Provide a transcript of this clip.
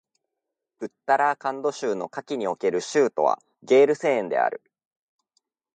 ウッタラーカンド州の夏季における州都はゲールセーンである